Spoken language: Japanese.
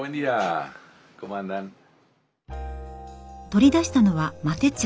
取り出したのはマテ茶。